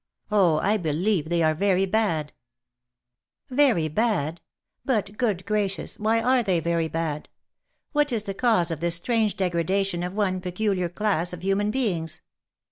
Oh! I believe they are very bad I" " Very bad ? But, good gracious ! why are they very bad ? What is the cause of this strange degradation of one peculiar class of human beings